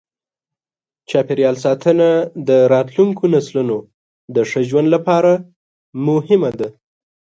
چاپېریال ساتنه د راتلونکو نسلونو د ښه ژوند لپاره مهمه ده.